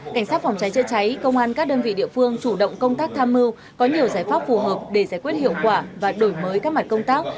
cảnh sát phòng cháy chữa cháy công an các đơn vị địa phương chủ động công tác tham mưu có nhiều giải pháp phù hợp để giải quyết hiệu quả và đổi mới các mặt công tác